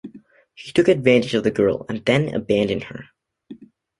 He took advantage of the girl and then abandoned her!